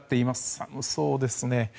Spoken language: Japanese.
寒そうですね。